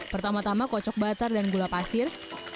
pertama tama kocok butter dan gula pasir